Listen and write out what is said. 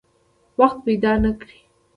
وخت پیدا نه کړي.